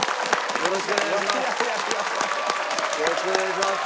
よろしくお願いします。